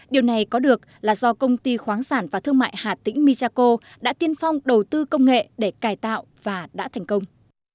điều này có được là do công ty khoáng sản và thương mại hà tĩnh michaco đã tiên phong đầu tư công nghệ để cải tạo và đã thành công